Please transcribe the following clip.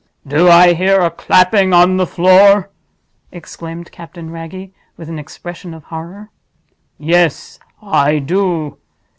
"Do I hear a clapping on the floor!" exclaimed Captain Wragge, with an expression of horror. "Yes; I do.